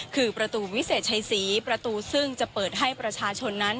คือประตูวิเศษชัยศรีประตูซึ่งจะเปิดให้ประชาชนนั้น